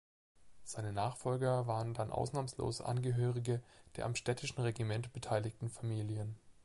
Seine Nachfolger waren dann ausnahmslos Angehörige der am städtischen Regiment beteiligten Familien.